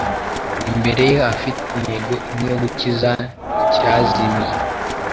Imbere ye ahafite intego imwe yo gukiza icyazimiye.